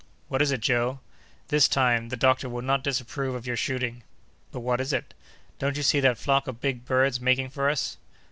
"What is it, Joe?" "This time, the doctor will not disapprove of your shooting." "But what is it?" "Don't you see that flock of big birds making for us?"